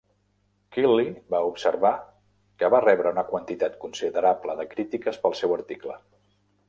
Keely va observar que va rebre una quantitat considerable de crítiques pel seu article.